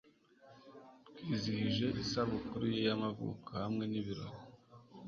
Twizihije isabukuru ye y'amavuko hamwe n'ibirori.